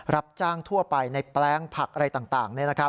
รับจ้างทั่วไปในแปลงผักอะไรต่าง